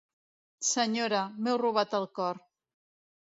Senyora, m'heu robat el cor.